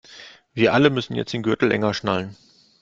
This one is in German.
Wir alle müssen jetzt den Gürtel enger schnallen.